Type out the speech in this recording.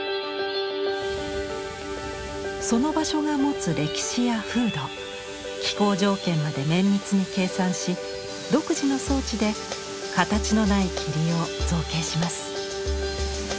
その場所が持つ歴史や風土気候条件まで綿密に計算し独自の装置で形のない霧を造形します。